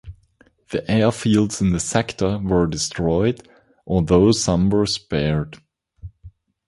The airfields in the sector were destroyed although some were spared.